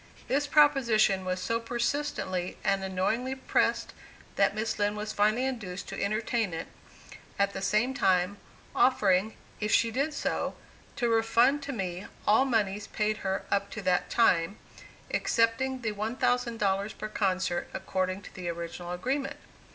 This proposition was so persistently and annoyingly pressed that Miss Lind was finally induced to entertain it, at the same time offering, if she did so, to refund to me all moneys paid her up to that time, excepting the $1,000 per concert according to the original agreement.